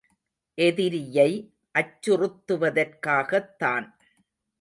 எதிரியை அச்சுறுத்துவதற்காகத் தான்.